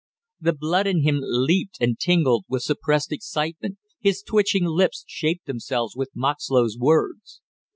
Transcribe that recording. The blood in him leaped and tingled with suppressed excitement, his twitching lips shaped themselves with Moxlow's words.